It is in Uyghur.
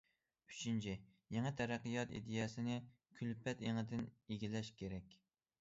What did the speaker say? ئۈچىنچى، يېڭى تەرەققىيات ئىدىيەسىنى كۈلپەت ئېڭىدىن ئىگىلەش كېرەك.